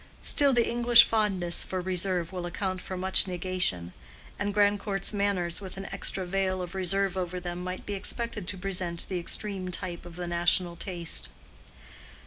Still, the English fondness for reserve will account for much negation; and Grandcourt's manners with an extra veil of reserve over them might be expected to present the extreme type of the national taste.